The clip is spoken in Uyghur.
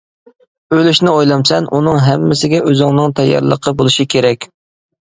ئۆلۈشنى ئويلامسەن؟ ئۇنىڭ ھەممىسىگە ئۆزۈڭنىڭ تەييارلىقى بولۇشى كېرەك.